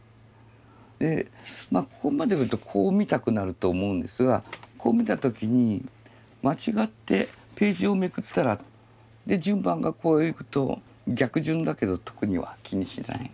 まあここまで見るとこう見たくなると思うんですがこう見た時に間違ってページをめくったら順番がこういくと逆順だけど特には気にしない。